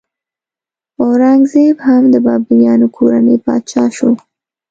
اورنګ زیب هم د بابریانو کورنۍ پاچا شو.